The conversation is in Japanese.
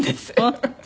本当？